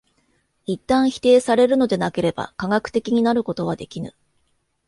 一旦否定されるのでなければ科学的になることはできぬ。